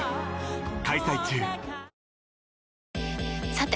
さて！